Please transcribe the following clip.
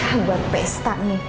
ah buat pesta nih